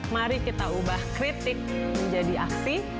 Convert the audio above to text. mari kita ubah kritik menjadi aksi